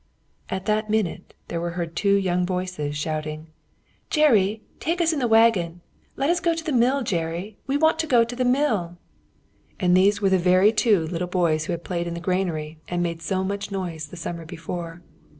At that minute, there were heard two young voices, shouting: "Jerry, take us in the waggon! Let us go to mill, Jerry. We want to go to mill." And these were the very two boys who had played in the granary and made so much noise the summer before.